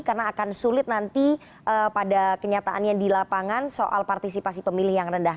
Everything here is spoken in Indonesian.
karena akan sulit nanti pada kenyataannya di lapangan soal partisipasi pemilih yang rendah